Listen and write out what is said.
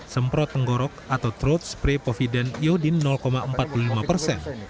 semprot tenggorok atau throat spray povidan iodin empat puluh lima persen